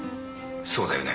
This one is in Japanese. そうだよね？